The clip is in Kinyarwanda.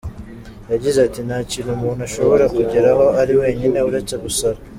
Yagize ati: “Nta kintu umuntu ashobora kugeraho ari wenyine, uretse gusara.